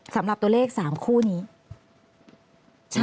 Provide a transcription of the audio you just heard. สำหรับตัวเลข๓คู่นี้